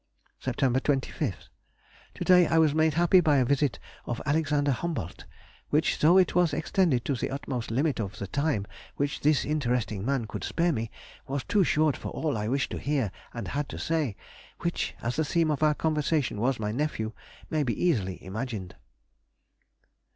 Sept. 25th.—To day I was made happy by a visit of Alexander Humboldt; which, though it was extended to the utmost limit of the time which this interesting man could spare me, was too short for all I wished to hear and had to say, which, as the theme of our conversation was my nephew, may be easily imagined.